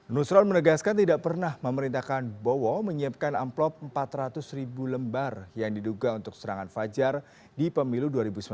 nusron menegaskan tidak pernah memerintahkan bowo menyiapkan amplop empat ratus ribu lembar yang diduga untuk serangan fajar di pemilu dua ribu sembilan belas